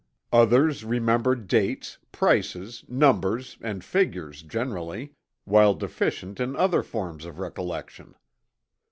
Others remember dates, prices, numbers, and figures generally, while deficient in other forms of recollection.